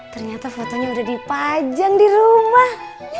ternyata fotonya udah dipajang di rumah